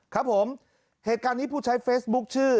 ครับผมเหตุการณ์นี้ผู้ใช้เฟซบุ๊คชื่อ